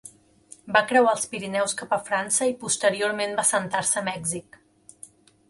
Va creuar els Pirineus cap a França i posteriorment va assentar-se a Mèxic.